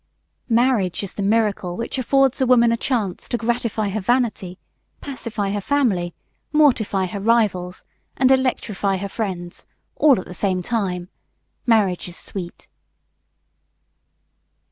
Marriage is the miracle which affords a woman a chance to gratify her vanity, pacify her family, mortify her rivals, and electrify her friends, all at the same time. Marriage is sweet!